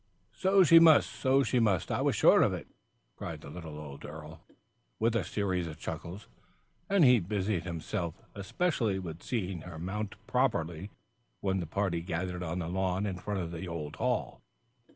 "So she must so she must, I was sure of it," cried the little old earl, with a series of chuckles. And he busied himself especially with seeing her mounted properly when the party gathered on the lawn in front of the old hall.